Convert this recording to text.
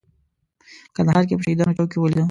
په کندهار کې په شهیدانو چوک کې ولیده.